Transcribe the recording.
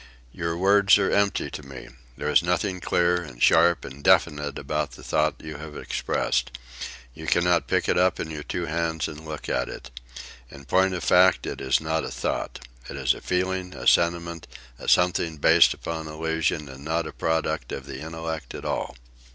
"Your words are empty to me. There is nothing clear and sharp and definite about the thought you have expressed. You cannot pick it up in your two hands and look at it. In point of fact, it is not a thought. It is a feeling, a sentiment, a something based upon illusion and not a product of the intellect at all."